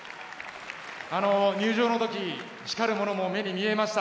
入場の時光るものも目に見えました。